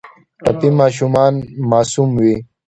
ټپي ماشومان معصوم وي.